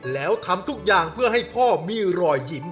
แล้วทำทุกอย่างเพื่อให้พ่อมีรอยยิ้ม